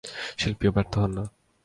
শিল্পীও ব্যর্থ হন না।